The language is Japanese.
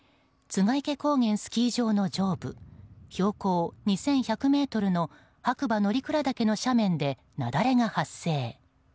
栂池高原スキー場の上部標高２１００ｍの白馬乗鞍岳の斜面で雪崩が発生。